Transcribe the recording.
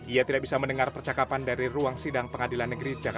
ia tidak bisa mendengar percakapan dari ruang sidang pengadilan